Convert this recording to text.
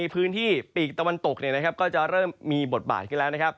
พื้นที่ปีกตะวันตกก็จะเริ่มมีบทบาทขึ้นแล้ว